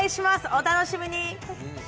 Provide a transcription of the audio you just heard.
お楽しみに！